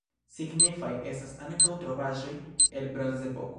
Signifaj estas ankaŭ trovaĵoj el bronzepoko.